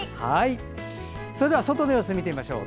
それでは外の様子見てみましょう。